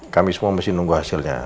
kami semua mesti nunggu hasilnya